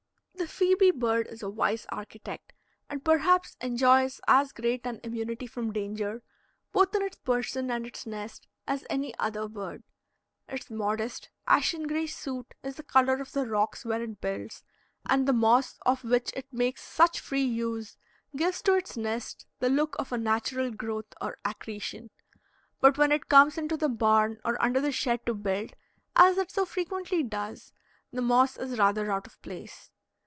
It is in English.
The phoebe bird is a wise architect, and perhaps enjoys as great an immunity from danger, both in its person and its nest, as any other bird. Its modest, ashen gray suit is the color of the rocks where it builds, and the moss of which it makes such free use gives to its nest the look of a natural growth or accretion. But when it comes into the barn or under the shed to build, as it so frequently does, the moss is rather out of place.